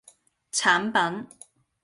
產品